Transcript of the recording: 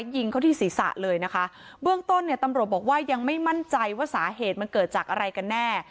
ยิงเขาที่ศีรษะเลยนะคะเบื้องต้นเนี่ยตำรวจบอกว่ายังไม่มั่นใจว่าสาเหตุมันเกิดจากอะไรกันแน่